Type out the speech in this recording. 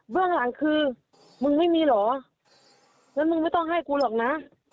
เรื่องหลังคือมึงไม่มีเหรอแล้วมึงไม่ต้องให้กูหรอกนะ